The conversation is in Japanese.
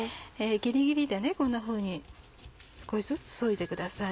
ギリギリでねこんなふうに少しずつそいでください。